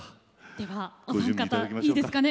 ではお三方いいですかね。